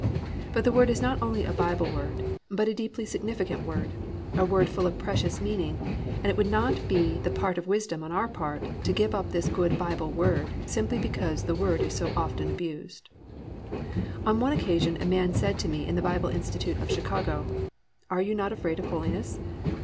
But the word is not only a Bible word, but a deeply significant word, a word full of precious meaning; and it would not be the part of wisdom on our part to give up this good Bible word simply because the word is so often abused. On one occasion a man said to me in the Bible Institute of Chicago, "Are you not afraid of holiness?"